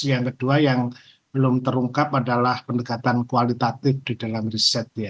yang kedua yang belum terungkap adalah pendekatan kualitatif di dalam riset ya